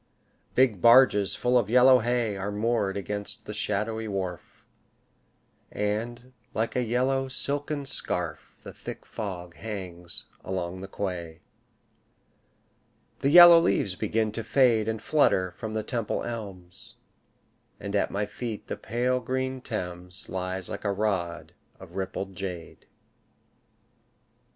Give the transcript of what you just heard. Big barges full of yellow hay Are moored against the shadowy wharf, And, like a yellow silken scarf, The thick fog hangs along the quay. The yellow leaves begin to fade And flutter from the Temple elms, And at my feet the pale green Thames Lies like a rod of rippled jade.